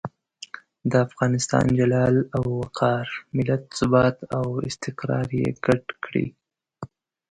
د افغانستان جلال او وقار، ملت ثبات او استقرار یې ګډ کړي.